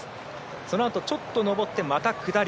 そのあと、ちょっと上ってまた下り。